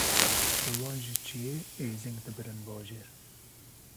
Bi van ji çiyê êzing dibirin bajêr